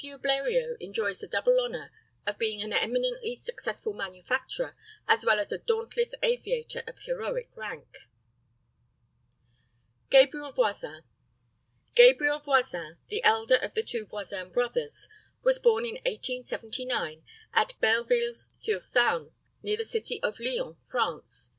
Bleriot enjoys the double honor of being an eminently successful manufacturer as well as a dauntless aviator of heroic rank. GABRIEL VOISIN. GABRIEL VOISIN, the elder of the two Voisin brothers, was born in 1879 at Belleville sur Saone, near the city of Lyons, France.